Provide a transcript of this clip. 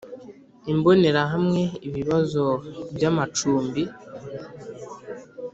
Imbonerahamwe Ibibazo by amacumbi